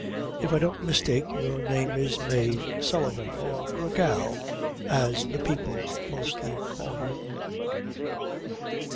If I don't mistake, your name is Mave Sullivan, or Gra Gal, as the people mostly call you."